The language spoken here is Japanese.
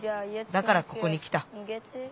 だからここにきた。